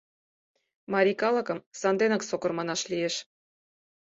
Марий калыкым санденак сокыр манаш лиеш.